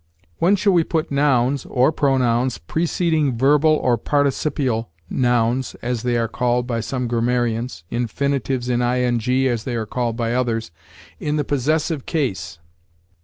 When shall we put nouns (or pronouns) preceding verbal, or participial, nouns, as they are called by some grammarians infinitives in ing, as they are called by others in the possessive case?